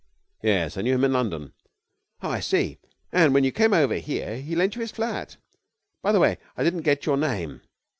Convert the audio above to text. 'Yes, I knew him in London.' 'Oh, I see. And when you came over here he lent you his flat? By the way, I didn't get your name?'